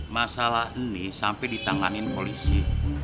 masalah ini sampai ditanganin polisi